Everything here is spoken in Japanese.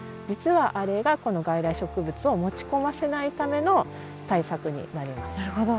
実はあれがこの外来植物を持ち込ませないための対策になります。